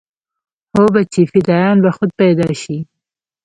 هو بچى فدايان به خود پيدا شي.